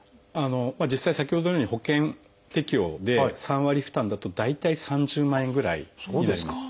実際先ほどのように保険適用で３割負担だと大体３０万円ぐらいになります。